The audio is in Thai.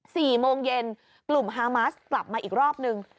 สี่โมงเย็นกลุ่มฮามาสกลับมาอีกรอบนึง